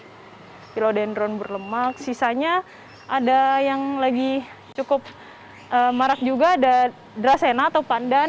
ada hilodendron burlemalks sisanya ada yang lagi cukup marak juga ada drasena atau pandan